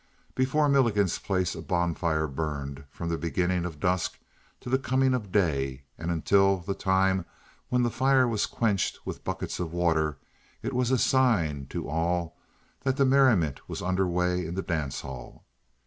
Before Milligan's place a bonfire burned from the beginning of dusk to the coming of day; and until the time when that fire was quenched with buckets of water, it was a sign to all that the merriment was under way in the dance hall.